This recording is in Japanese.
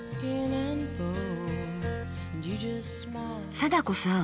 貞子さん